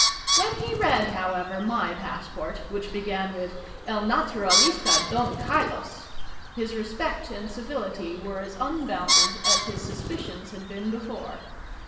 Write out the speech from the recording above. When he read, however, my passport, which began with "El Naturalista Don Carlos," his respect and civility were as unbounded as his suspicions had been before.